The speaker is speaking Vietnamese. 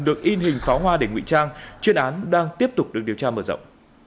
được in hình pháo hoa để ngụy trang chuyên án đang tiếp tục được điều tra mở rộng